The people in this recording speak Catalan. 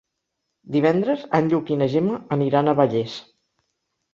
Divendres en Lluc i na Gemma aniran a Vallés.